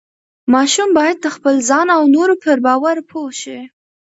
ماشوم باید د خپل ځان او نورو پر باور پوه شي.